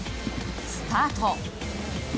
スタート。